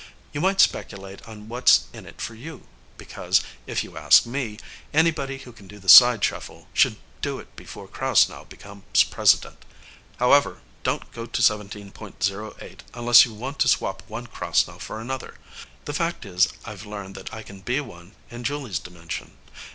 You might speculate on what's in it for you, because, if you ask me, anybody who can do the side shuffle should do it before Krasnow becomes President. However, don't go to Seventeen Point Zero Eight unless you want to swap one Krasnow for another. The fact is that I've learned I can be one in Julie's dimension.